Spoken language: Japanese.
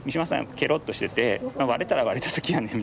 ケロッとしてて「割れたら割れた時やねん」